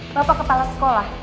bapak kepala sekolah